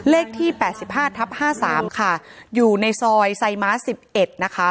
เลขที่๘๕ทับ๕๓ค่ะอยู่ในซอยไซม้า๑๑นะคะ